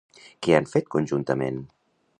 Què han fet conjuntament?